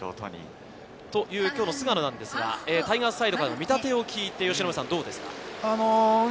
今日の菅野ですがタイガースサイドからの見立てを聞いてどうですか？